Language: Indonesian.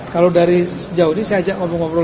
kalau dari sejauh ini